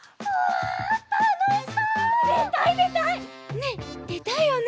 ねえでたいよね？